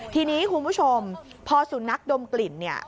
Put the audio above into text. ทีนี้คุณผู้ชมพอสุนัขดมกลิ่นเนี่ย